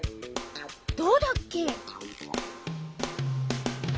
どうだっけ？